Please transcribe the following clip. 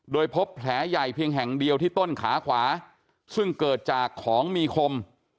โดยพบแผลใหญ่เพียงแห่งเดียวที่ต้นขาขวาซึ่งเกิดจากของมีคม